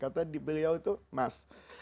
kalau ada orang ngomong depan mas miliaran